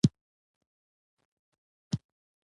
تخنیکي وړتیاوي او د ترسره سوو پروژو بيلګي